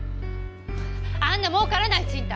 あんなもうからない賃貸